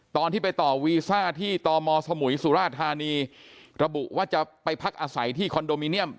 ตอนที่ไปต่อวีซ่าที่ตมสมุยสุราธานีระบุว่าจะไปพักอาศัยที่คอนโดมิเนียม